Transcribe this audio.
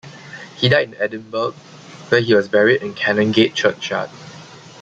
He died in Edinburgh, where he was buried in Canongate Churchyard.